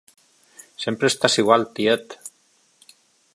Sempre estàs igual, tiet!